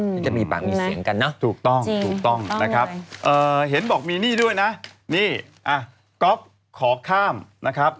นี่ก็มีปล่างมีเสียงกันเนาะถูกต้องนะครับเห็นบอกมีนี่ด้วยนะนี่ก๊อฟขอข้ามนะครับ